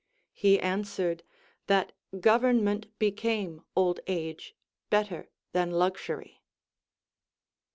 He answered, tliat govern ment became old age better than luxury.